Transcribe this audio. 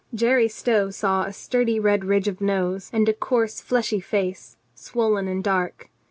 Jerry Stow saw a sturdy red ridge of nose and a coarse fleshy face, swollen and dark.